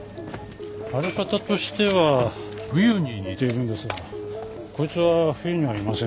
腫れ方としてはブユに似てるんですがこいつは冬にはいませんしね。